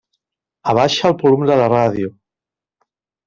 Abaixa el volum de la ràdio.